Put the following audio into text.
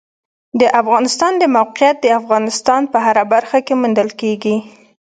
د افغانستان د موقعیت د افغانستان په هره برخه کې موندل کېږي.